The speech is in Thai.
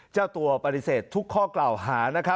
เจ้าตัวปฏิเสธทุกข้อกล่าวหา